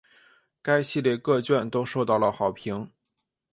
该系列各卷都受到了好评。